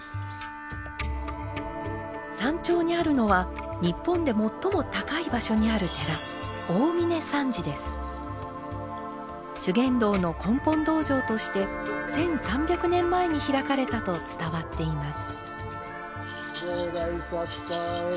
山頂にあるのは日本で最も高い場所にある寺修験道の根本道場として１，３００年前に開かれたと伝わっています。